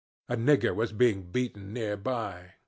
A nigger was being beaten near by.